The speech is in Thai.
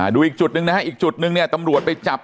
ดูอีกจุดนึงนะครับอีกจุดนึงตำรวจไปจับ